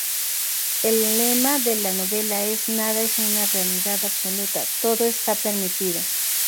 El lema de la novela es "Nada es una realidad absoluta, todo está permitido".